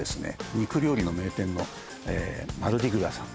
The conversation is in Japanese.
肉料理の名店のマルディグラさん